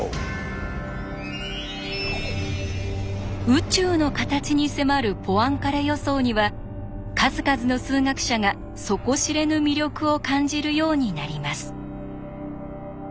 宇宙の形に迫るポアンカレ予想には数々の数学者が底知れぬ魅力を感じるようになります。